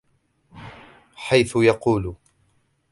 حَيْثُ يَقُولُ